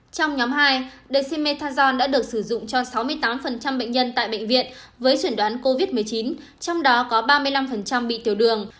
trong nhóm hai dshi methazon đã được sử dụng cho sáu mươi tám bệnh nhân tại bệnh viện với chuẩn đoán covid một mươi chín trong đó có ba mươi năm bị tiểu đường